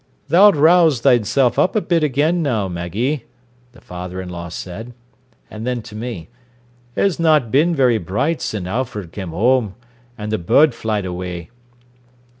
"Tha'lt rouse thysen up a bit again now, Maggie," the father in law said and then to me: "'Er's not bin very bright sin' Alfred come whoam, an' the bod flyed awee.